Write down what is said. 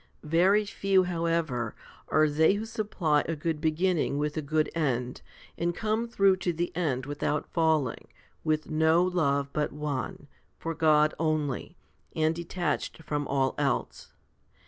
Very few, however, are they who supply a good beginning with a good end, and come through to the end without falling, with no love but one, for God only, and detached from all else.